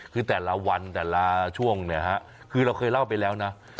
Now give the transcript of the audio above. คือแต่ละวันแต่ละช่วงเนี่ยฮะคือเราเคยเล่าไปแล้วนะ